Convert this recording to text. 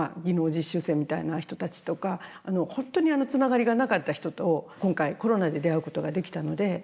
技能実習生みたいな人たちとか本当につながりがなかった人と今回コロナで出会うことができたので。